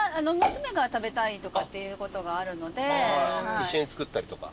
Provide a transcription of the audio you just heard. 一緒に作ったりとか？